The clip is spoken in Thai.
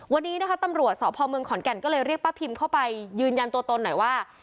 วันนี้นะคะตำรวจสพเมืองขอนแก่นก็เลยเรียกป้าพิมเข้าไปยืนยันตัวตนหน่อยว่า